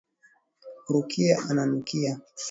Rukia ananukia.